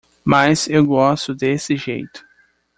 Mas eu gosto desse jeito.